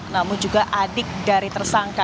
namun juga adik dari tersangka